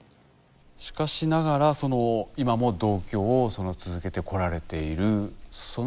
しかしながらその今も同居を続けてこられているその理由というのは？